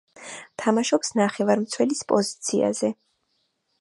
თამაშობს ნახევარმცველის პოზიციაზე.